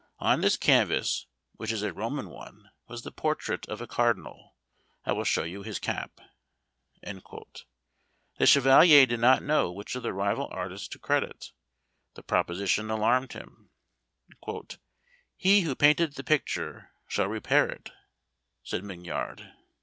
On this canvas, which is a Roman one, was the portrait of a cardinal; I will show you his cap." The chevalier did not know which of the rival artists to credit. The proposition alarmed him. "He who painted the picture shall repair it," said Mignard.